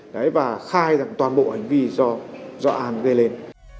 đấy và khai rằng toàn bộ hành vi do an gây lên